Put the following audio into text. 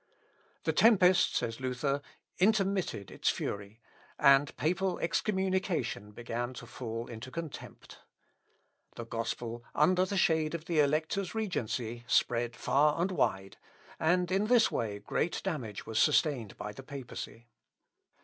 "The tempest," says Luther, "intermitted its fury, and papal excommunication began to fall into contempt. The gospel, under the shade of the Elector's regency, spread far and wide, and in this way great damage was sustained by the papacy."